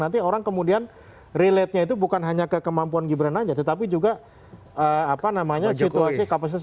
nanti orang kemudian relate nya itu bukan hanya ke kemampuan gibran aja tetapi juga apa namanya situasi kapasitas